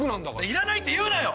いらないって言うなよ！